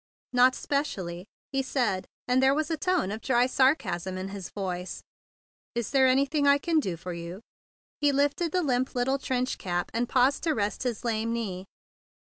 "Not specially," he said; and there was a tone of dry sarcasm in his voice. "Is there anything I can do for you?" ITe lifted the limp little trench cap, and paused to rest his lame knee.